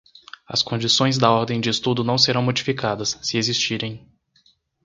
As condições da ordem de estudo não serão modificadas, se existirem.